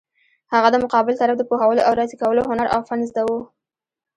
هغه د مقابل طرف د پوهولو او راضي کولو هنر او فن زده وو.